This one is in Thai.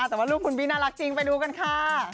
แต่ว่าลูกคุณบี้น่ารักจริงไปดูกันค่ะ